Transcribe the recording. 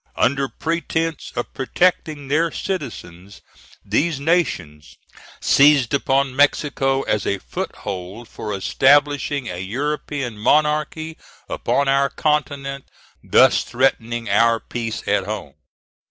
Under pretence of protecting their citizens, these nations seized upon Mexico as a foothold for establishing a European monarchy upon our continent, thus threatening our peace at home.